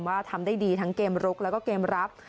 ว่าทำได้ดีทั้งเกมลุกแล้วก็เกมรับ